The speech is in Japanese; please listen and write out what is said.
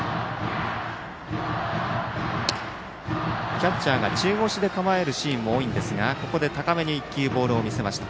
キャッチャーが中腰で構えるシーンも多いんですがここで高めに１球ボールを見せました。